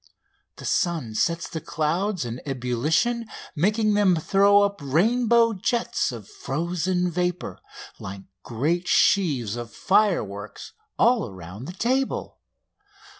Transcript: The sun sets the clouds in ebullition, making them throw up rainbow jets of frozen vapour like great sheaves of fireworks all around the table.